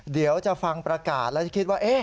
เดี๋ยวจะฟังประกาศแล้วจะคิดว่า